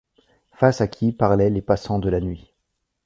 face à qui parlaient les passants de la nuit